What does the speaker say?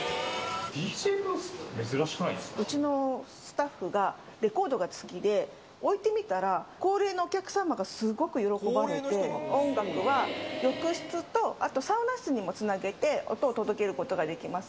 ＤＪブースって珍しくないでうちのスタッフがレコードが好きで、置いてみたら、高齢のお客様がすごく喜ばれて、音楽は浴室とあと、サウナ室にもつなげて、音を届けることができます。